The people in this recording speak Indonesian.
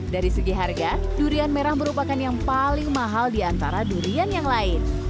dari segi harga durian merah merupakan yang paling mahal di antara durian yang lain